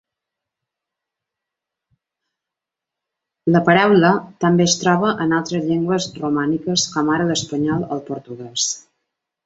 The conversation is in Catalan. La paraula també es troba en altres llengües romàniques com ara l'espanyol o el portuguès.